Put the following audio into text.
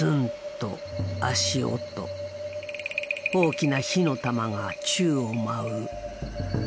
大きな火の玉が宙を舞う。